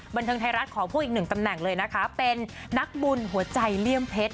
บันเทิงไทยรัฐขอพูดอีกหนึ่งตำแหน่งเลยนะคะเป็นนักบุญหัวใจเลี่ยมเพชร